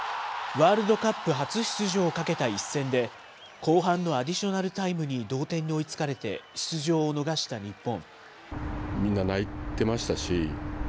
ワールドカップ初出場をかけた一戦で、後半のアディショナルタイムに同点に追いつかれて、出場を逃した日本。